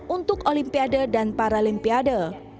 untuk olimpiade dan paralimpiade